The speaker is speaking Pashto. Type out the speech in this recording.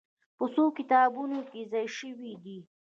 په څو کتابونو کې ځای شوې دي.